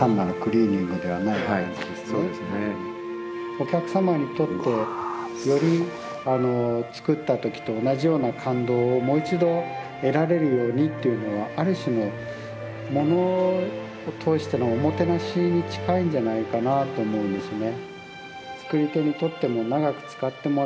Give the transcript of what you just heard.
お客様にとってよりつくった時と同じような感動をもう一度得られるようにっていうのはある種のものを通してのおもてなしに近いんじゃないかなと思うんですね。